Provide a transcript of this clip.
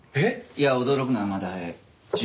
いや驚くのはまだ早い。